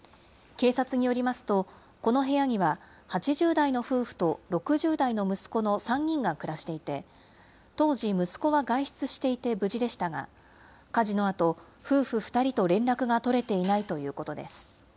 警察によりますと、この部屋には８０代の夫婦と６０代の息子の３人が暮らしていて、当時、息子は外出していて無事でしたが、火事のあと、夫婦２人と連絡が取れていないということです。